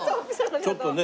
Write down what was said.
ちょっとね